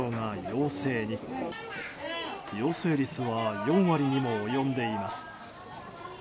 陽性率は４割にも及んでいます。